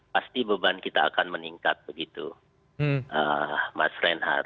pasti beban kita akan meningkat begitu mas reinhardt